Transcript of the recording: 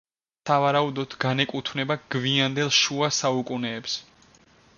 სავარაუდოდ, განეკუთვნება გვიანდელ შუა საუკუნეებს.